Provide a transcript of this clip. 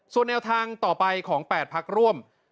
ส่วนแนวทางต่อไปของ๘พักร่วม